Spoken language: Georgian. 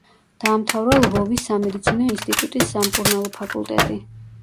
დაამთავრა ლვოვის სამედიცინო ინსტიტუტის სამკურნალო ფაკულტეტი.